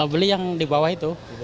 beli yang di bawah itu